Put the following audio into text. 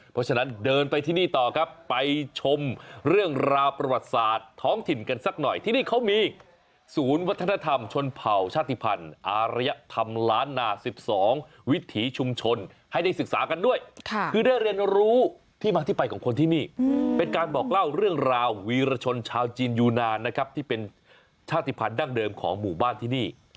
เพราะฉะนั้นเดินไปที่นี่ต่อครับไปชมเรื่องราวประวัติศาสตร์ท้องถิ่นกันสักหน่อยที่นี่เขามีศูนย์วัฒนธรรมชนเผ่าชาติภัณฑ์อารยธรรมล้านนา๑๒วิถีชุมชนให้ได้ศึกษากันด้วยคือได้เรียนรู้ที่มาที่ไปของคนที่นี่เป็นการบอกเล่าเรื่องราววีรชนชาวจีนยูนานนะครับที่เป็นชาติภัณฑ์ดั้งเดิมของหมู่บ้านที่นี่